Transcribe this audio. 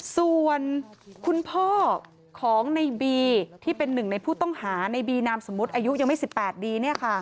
ส่วนคุณพ่อของในบีที่เป็นหนึ่งในผู้ต้องหาในบีนามสมมุติอายุยังไม่๑๘ดี